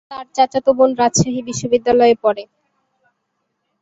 তার চাচাতো বোন রাজশাহী বিশ্বনিদ্যালয়ে পড়ে।